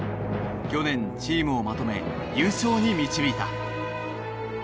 去年チームをまとめ優勝に導いた。